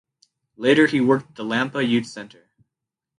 Later he worked at the Lampa Youth Center.